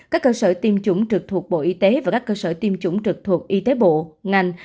các cơ sở tiêm chủng trực thuộc bộ y tế và các cơ sở tiêm chủng trực thuộc y tế bộ ngành